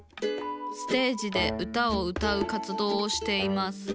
ステージで歌を歌う活動をしています。